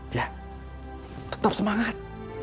ya tetap semangat